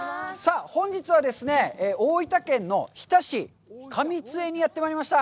本日はですね、大分県の日田市上津江にやってまいりました。